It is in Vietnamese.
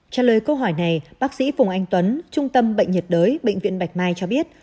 trả lời câu hỏi này bác sĩ phùng anh tuấn trung tâm bệnh nhiệt đới bệnh viện bạch mai cho biết